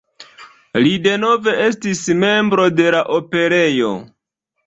Li denove estis membro de la Operejo.